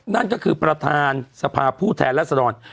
นั่นก็คือประธานสภาษาผู้แทนและสะดอน